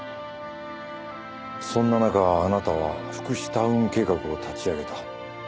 そんな中あなたは福祉タウン計画を立ち上げた。